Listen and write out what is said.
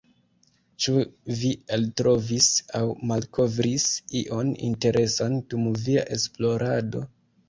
Ĉu vi eltrovis aŭ malkovris ion interesan dum via esplorado?